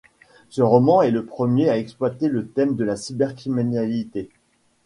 Ce roman est le premier à exploiter le thème de la cybercriminalité.